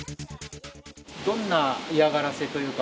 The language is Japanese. どんな嫌がらせというか。